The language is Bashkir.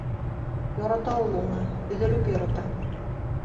Ярата ул уны, өҙөлөп ярата.